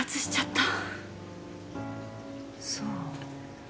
そう。